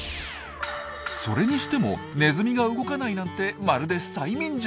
それにしてもネズミが動かないなんてまるで催眠術。